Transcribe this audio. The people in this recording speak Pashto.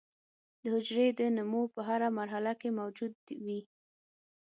د حجرې د نمو په هره مرحله کې موجود وي.